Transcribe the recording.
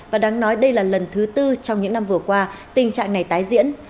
và đáng nói đây là lần thứ tư trong những năm vừa qua tình trạng này tái diễn